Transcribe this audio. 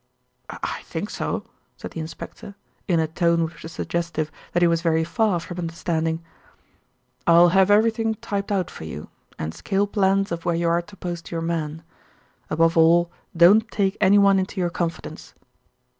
"I think so," said the inspector, in a tone which was suggestive that he was very far from understanding. "I'll have everything typed out for you, and scale plans of where you are to post your men. Above all, don't take anyone into your confidence."